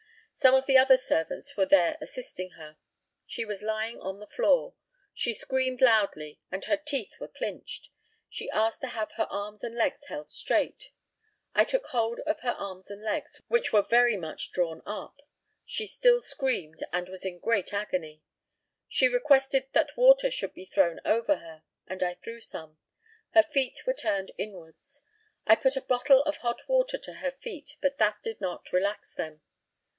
Some of the other servants were there assisting her. She was lying on the floor. She screamed loudly, and her teeth were clinched. She asked to have her arms and legs held straight. I took hold of her arms and legs, which were very much drawn up. She still screamed, and was in great agony. She requested that water should be thrown over her, and I threw some. Her feet were turned inwards. I put a bottle of hot water to her feet, but that did not relax them.